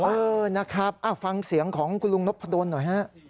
เออนะครับฟังเสียงของคุณลุงนพดลหน่อยฮะ